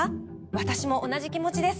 私も同じ気持ちです。